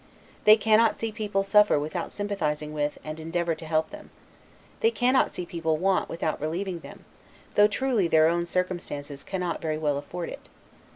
They cannot see people suffer without sympathizing with, and endeavoring to help them. They cannot see people want, without relieving them, though truly their own circumstances cannot very well afford it.